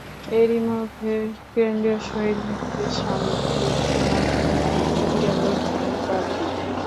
এরই মধ্যে কেন্দ্রীয় শহীদ মিনারের সামনে গিয়ে শোনা গেল ঢোলের বাদ্যি।